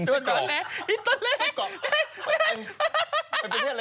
ไปไปเป็นที่อะไรกินแฟรงค์